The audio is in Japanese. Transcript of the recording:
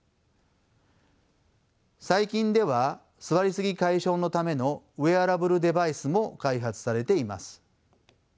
最近では座りすぎ解消のためのウェアラブルデバイスも開発されています。